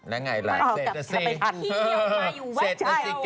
แล้วไงล่ะเสร็จแล้วสิเสร็จแล้วสิแกะ